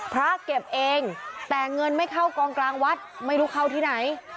พระเก็บเองแต่เงินไม่เข้ากองกลางวัดไม่รู้เข้าที่ไหน